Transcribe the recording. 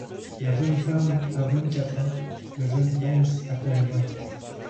La jeune femme a vingt-quatre ans, le jeune prince à peine vingt.